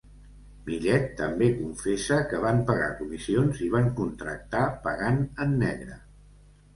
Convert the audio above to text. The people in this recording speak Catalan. Millet també confessa que van pagar comissions i van contractar pagant en negre.